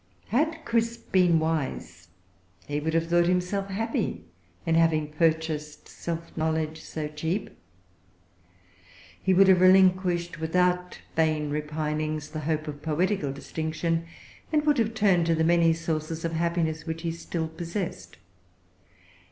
Had Crisp been wise, he would have thought himself happy in having purchased self knowledge so cheap. He would have relinquished, without vain repinings, the hope of poetical distinction, and would have turned to the many sources of happiness which he still possessed.